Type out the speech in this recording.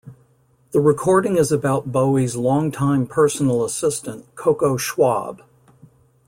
The recording is about Bowie's long-time personal assistant, Coco Schwab.